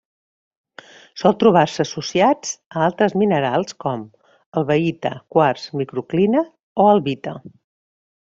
Sol trobar-se associat a altres minerals com: elbaïta, quars, microclina o albita.